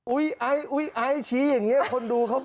อุ๊ยไอ้ชีอย่างนี้คนดูเขาก็